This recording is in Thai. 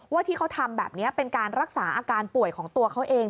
ว่าที่เขาทำแบบนี้เป็นการรักษาอาการป่วยของตัวเขาเอง